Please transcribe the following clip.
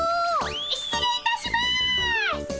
失礼いたします！